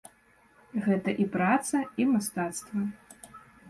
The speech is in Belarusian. Гэта і праца, і мастацтва.